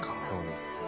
そうです。